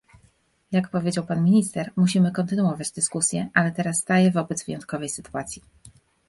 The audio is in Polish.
Jak powiedział pan minister, musimy kontynuować dyskusję, ale teraz staję wobec wyjątkowej sytuacji